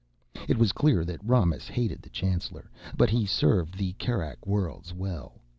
It was clear that Romis hated the chancellor. But he served the Kerak Worlds well.